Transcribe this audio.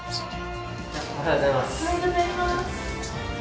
おはようございます。